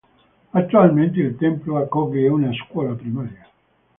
Attualmente, il tempio accoglie una scuola primaria.